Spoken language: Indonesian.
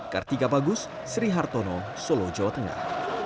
kartika bagus sri hartono solo jawa tengah